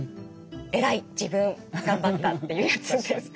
「エライ自分！頑張った」っていうやつです。